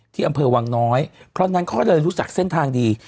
ที่อำเภอวังน้อยเพราะฉะนั้นเขาก็เลยรู้จักเส้นทางดี